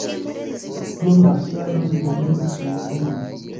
Pro malsano li revenis Hungarion.